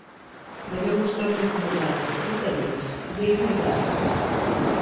Debemos ter dignidade, entendes? Dignidade.